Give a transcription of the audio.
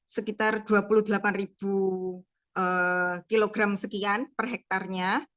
sekitar dua puluh delapan kilogram sekian per hektarnya